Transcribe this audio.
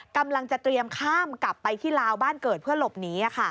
กำลังจะเตรียมข้ามกลับไปที่ลาวบ้านเกิดเพื่อหลบหนี